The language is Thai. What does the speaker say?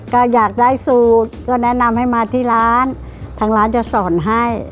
ก็อยากได้สูตรก็แนะนำให้มาที่ร้านทางร้านจะสอนให้